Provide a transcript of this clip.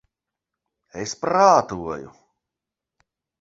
Es prātoju...